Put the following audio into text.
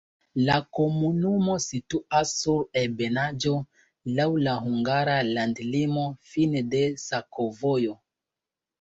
La komunumo situas sur ebenaĵo, laŭ la hungara landlimo, fine de sakovojo.